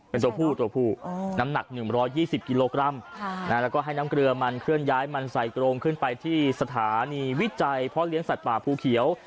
เป็นตัวผู้ตัวผู้น้ำหนัก๑๒๐กิโลกรัมแล้วก็ให้น้ำเกลือมันเคลื่อนย้ายมันใส่กรงขึ้นไปที่สถานีวิจัยพ่อเลี้ยงสัตว์ป่าภูเขียว